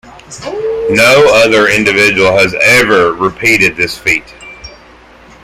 No other individual has ever repeated this feat.